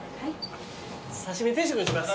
刺身定食にします。